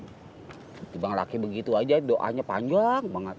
ketimbang laki begitu aja doanya panjang banget